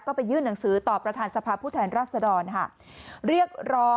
ก็ไปยื่นหนังสือต่อประธานสภาพผู้แทนราษฎรภ์